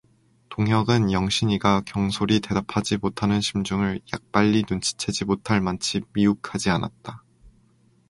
동혁은 영신이가 경솔히 대답하지 못하는 심중을 약빨리 눈치채지 못할 만치 미욱하지 않았다.